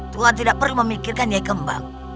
tuhan tidak perlu memikirkan eik kembali